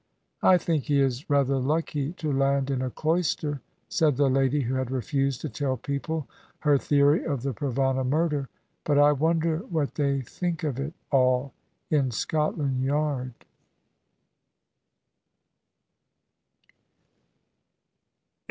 "I think he is rather lucky to land in a cloister," said the lady who had refused to tell people her theory of the Provana murder. "But I wonder what they think of it all in Scotland Yard!"